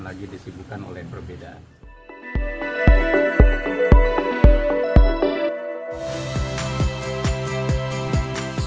lagi disibukan oleh perbedaan